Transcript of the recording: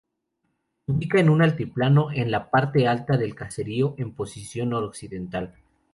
Se ubica en un altiplano, en la parte alta del caserío, en posición noroccidental.